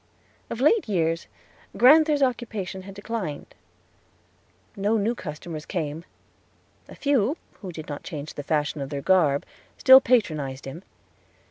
Of late years, Grand'ther's occupation had declined. No new customers came. A few, who did not change the fashion of their garb, still patronized him.